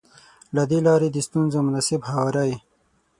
له دې لارې د ستونزو مناسب هواری.